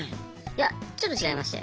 いやちょっと違いまして。